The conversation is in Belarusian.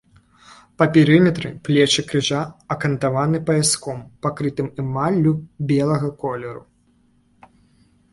Па перыметры плечы крыжа акантаваны паяском, пакрытым эмаллю белага колеру.